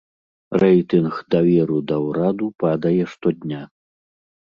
Рэйтынг даверу да ўраду падае штодня.